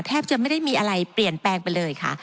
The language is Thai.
แทบจะไม่ได้มีอะไรเปลี่ยนแปลงไปเลยค่ะ